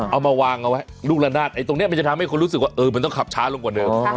เอามาวางเอาไว้ลูกละนาดไอ้ตรงนี้มันจะทำให้คนรู้สึกว่ามันต้องขับช้าลงกว่าเดิม